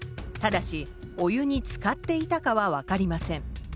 ただしお湯につかっていたかは分かりません。